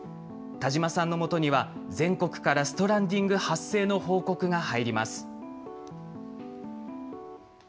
田島さんのもとには、全国からストランディング発生の報告が入ります。